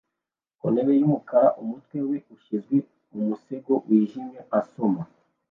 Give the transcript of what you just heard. kuntebe yumukara umutwe we ushyizwe mumusego wijimye asoma